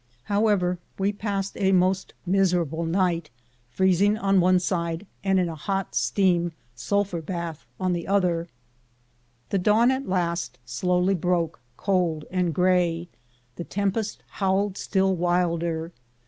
However, 121 MOUNT RAINIER we passed a most miserable night, freezing on one side, and in a hot steam sulphur bath on the other. The dawn at last slowly broke, cold and gray. The tempest howled still wilder.